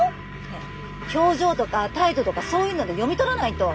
ねえ表情とか態度とかそういうので読み取らないと！